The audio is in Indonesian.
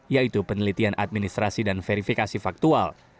yaitu penelitian administrasi dan verifikasi faktual